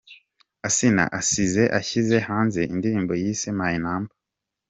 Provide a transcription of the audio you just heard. Assinah asize ashyize hanze indirimbo yise ‘My number’.